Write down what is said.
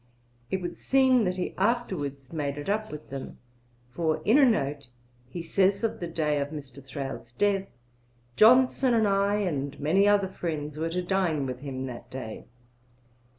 It should seem that he afterwards made it up with them, for in a note on vol. ii. p. 191, he says of the day of Mr. Thrale's death, 'Johnson and I, and many other friends, were to dine with him that day.'